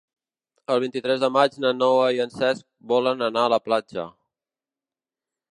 El vint-i-tres de maig na Noa i en Cesc volen anar a la platja.